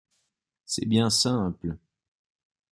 C’est bien simple.